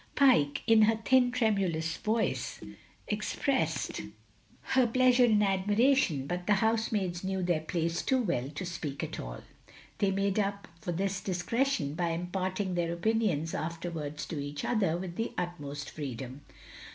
Pyke, in her thin tremulous voice, expressed 212 THE LONELY LADY her pleasure and admiration, but the housemaids knew their place too well to speak at all. They made up for this discretion by imparting their opinions afterwards to each other, with the utmost freedom.